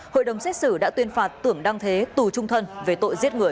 hội đồng xét xử đã tuyên phạt tưởng đăng thế tù trung thân về tội giết người